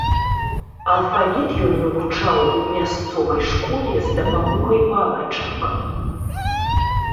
Алфавіт ён вывучаў у мясцовай школе з дапамогай палачак.